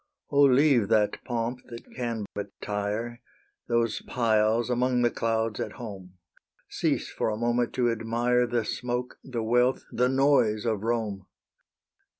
O leave that pomp that can but tire, Those piles, among the clouds at home; Cease for a moment to admire The smoke, the wealth, the noise of Rome!